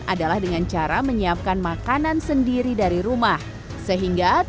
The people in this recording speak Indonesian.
adalah dengan cara menyiapkan makanan sendiri dari rumah